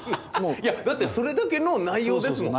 いやだってそれだけの内容ですもん。